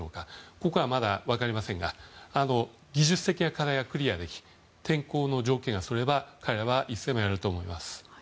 ここはまだ分かりませんが技術的な課題がクリアでき天候の問題がなければ彼らはいつでもやると思います。